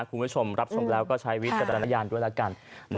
คุณผู้ชมรับชมแล้วก็ใช้วิจารณญาณด้วยแล้วกัน